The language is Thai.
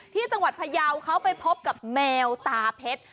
ที่จังหวัดพยาวเขาไปพบกับแมวตาเพชร